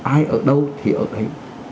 ai ở đâu thì ở đấy